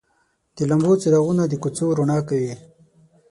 د لمبو څراغونه د کوڅو رڼا کوي.